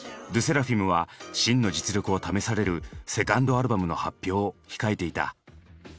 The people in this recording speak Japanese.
ＬＥＳＳＥＲＡＦＩＭは真の実力を試されるセカンドアルバムの発表を控えていた。